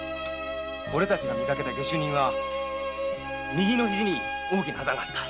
オレたちの見かけた下手人は右のヒジに大きなアザがあった。